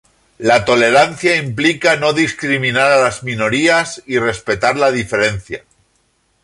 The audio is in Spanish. La tolerancia implica no discriminar a las minorías y respetar la diferencia.